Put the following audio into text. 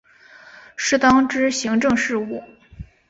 适当之行政事务